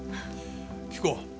聞こう。